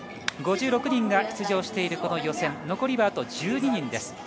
５６人が出場している予選、残りはあと１２人です。